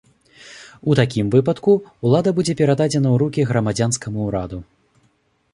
У такім выпадку, улада будзе перададзена ў рукі грамадзянскаму ўраду.